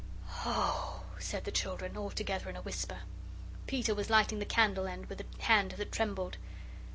"OH!" said the children, all together in a whisper. Peter was lighting the candle end with a hand that trembled.